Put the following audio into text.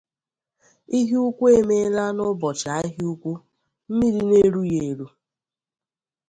ihe ukwu emeela n’ụbọchị ahịa ukwu! Mmiri na-erughị eru